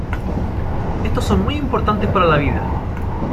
Estos son muy importantes para la vida.